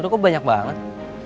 udah kok banyak banget